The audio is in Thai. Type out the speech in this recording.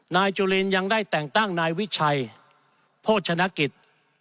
นายจุลินยังได้แต่งตั้งนายวิชัยโภชนกิจ